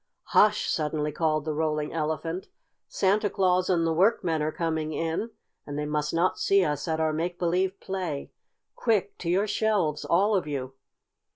"Hush!" suddenly called the Rolling Elephant. "Santa Claus and the workmen are coming in and they must not see us at our make believe play. Quick! To your shelves, all of you!"